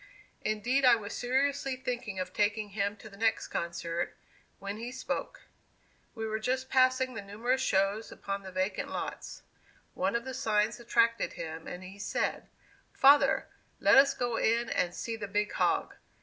Indeed, I was seriously thinking of taking him to the next concert, when he spoke. We were just passing the numerous shows upon the vacant lots. One of the signs attracted him, and he said, 'Father, let us go in and see the big hog!